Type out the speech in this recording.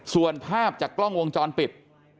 ส่วนภาพจากกล้องวงจรปิด